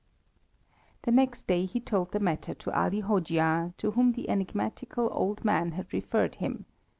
The next day he told the matter to Ali Hojia, to whom the enigmatical old man had referred him.